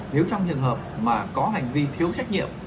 nếu trong trường hợp mà có hành vi thiếu trách nhiệm